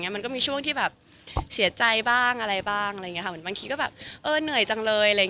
มันก็มีช่วงที่แบบเสียใจบ้างอะไรบ้างบางทีก็เหนื่อยจังเลย